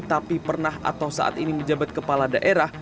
tapi pernah atau saat ini menjabat kepala daerah